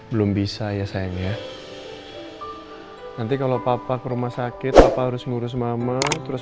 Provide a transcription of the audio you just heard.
belum bisa ya sayangnya nanti kalau papa ke rumah sakit apa harus ngurus mama terus